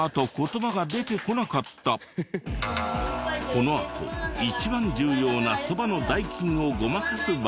このあと一番重要なそばの代金をごまかす場面でも。